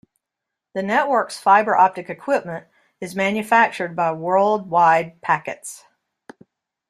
The network's fiber optic equipment is manufactured by World Wide Packets.